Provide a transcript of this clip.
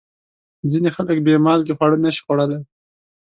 ځینې خلک بې مالګې خواړه نشي خوړلی.